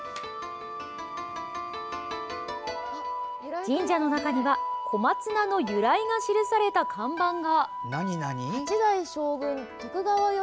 神社の中には小松菜の由来が記された看板が。